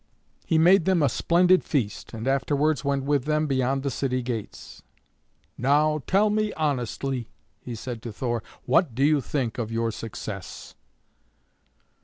He made them a splendid feast, and afterwards went with them beyond the city gates. "Now tell me honestly," said he to Thor, "what do you think of your success?"